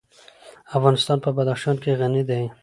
افغانستان په بدخشان غني دی.